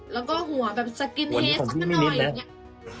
แล้วก็หัวแบบสกินเฮสสักหน่อยอย่างนี้